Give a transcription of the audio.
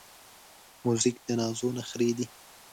موزیک د نازو نخری دی.